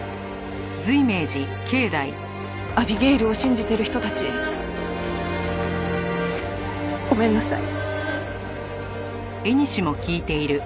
「アビゲイルを信じている人たちごめんなさい」